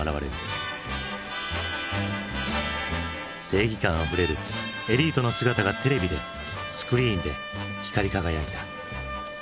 正義感あふれるエリートの姿がテレビでスクリーンで光り輝いた。